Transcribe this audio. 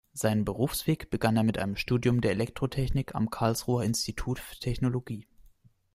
Seinen Berufsweg begann er mit einem Studium der Elektrotechnik am Karlsruher Institut für Technologie.